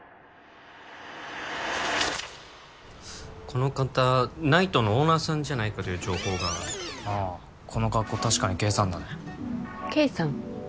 この方「ＫＮＩＧＨＴ」のオーナーさんじゃないかという情報がああこの格好確かにＫさんだねケイさん？